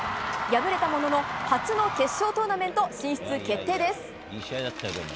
敗れたものの、初の決勝トーナメント進出決定です。